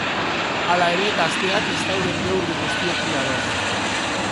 Hala ere, gazteak ez daude neurri guztiekin ados.